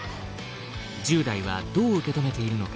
１０代はどう受け止めているのか。